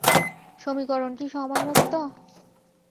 সমীকরণটি সময় মুক্ত?